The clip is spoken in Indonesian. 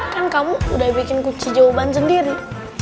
kan kamu udah bikin kuci jawaban sendiri